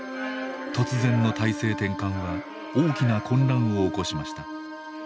突然の体制転換は大きな混乱を起こしました。